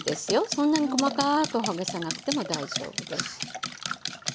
そんなに細かくほぐさなくても大丈夫です。